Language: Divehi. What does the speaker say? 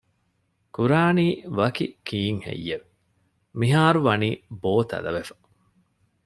ކުރާނީ ވަކި ކީއްހެއްޔެވެ؟ މިހާރު ވަނީ ބޯ ތަލަވެފަ